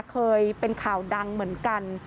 เคยเป็นข่าวดังเหมือนกัน